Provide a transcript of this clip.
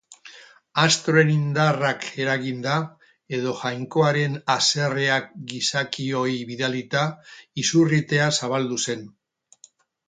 Astroen indarrak eraginda, edo Jainkoaren haserreak gizakioi bidalita, izurritea zabaldu zen.